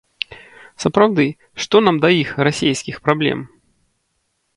Сапраўды, што нам да іх, расейскіх, праблем?